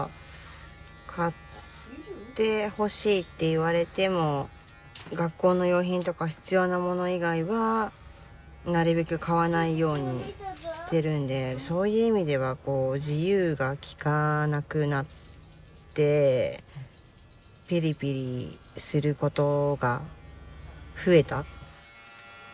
「買ってほしい」って言われても学校の用品とか必要なもの以外はなるべく買わないようにしてるんでそういう意味では自由がきかなくなってピリピリすることが増えた。